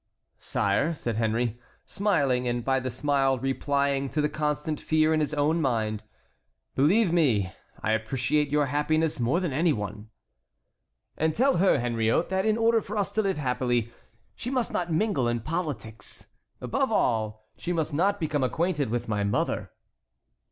"Sire," said Henry, smiling, and by the smile replying to the constant fear in his own mind, "believe me, I appreciate your happiness more than any one." "And tell her, Henriot, that in order for us to live happily, she must not mingle in politics. Above all, she must not become acquainted with my mother."